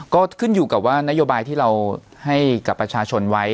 ก็ขึ้นอยู่กับว่านโยบายที่เราให้กับประชาชนไว้